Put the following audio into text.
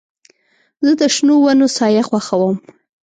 زه د شنو ونو سایه خوښوم.